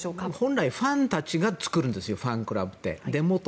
本来ファンたちが作るんです、ファンクラブって。